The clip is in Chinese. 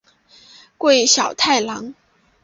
桂小太郎。